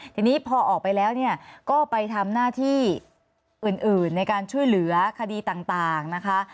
ทีนี้พอออกไปแล้วเนี่ยก็ไปทำหน้าที่อื่นในการช่วยเหลือคดีต่างนะคะ